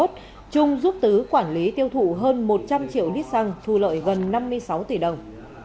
trung giúp tứ quản lý tiêu thụ hơn một trăm linh triệu lít xăng thu lợi gần năm mươi sáu tỷ đồng